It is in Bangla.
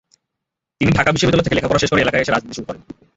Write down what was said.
তিনি ঢাকা বিশ্ববিদ্যালয় থেকে লেখাপড়া শেষ করে এলাকায় এসে রাজনীতি শুরু করেন।